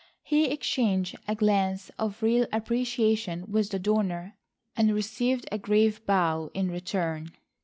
He exchanged a glance of real appreciation with the donor, and received a grave bow in return.